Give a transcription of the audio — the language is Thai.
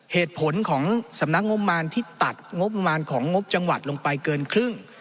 เหตุผลของสำนักงบมารที่ตัดงบประมาณของงบจังหวัดลงไปเกินครึ่ง